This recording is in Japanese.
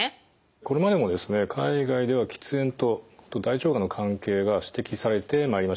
これまでも海外では喫煙と大腸がんの関係が指摘されてまいりました。